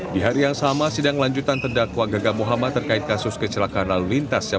di hari yang sama sidang lanjutan terdakwa gaga muhammad terkait kasus kecelakaan lalu lintas yang